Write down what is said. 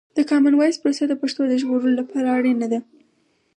د کامن وایس پروسه د پښتو د ژغورلو لپاره اړینه ده.